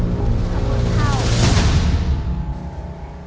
คุณยายแจ้วเลือกตอบจังหวัดนครราชสีมานะครับ